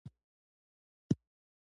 انسان له خپلې زمانې خبر وي.